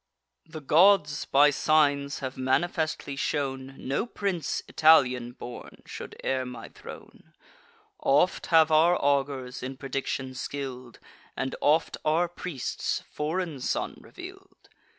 The gods, by signs, have manifestly shown, No prince Italian born should heir my throne: Oft have our augurs, in prediction skill'd, And oft our priests, a foreign son reveal'd.